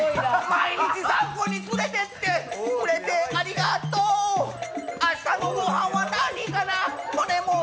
毎日、散歩に連れてってくれてありがとう。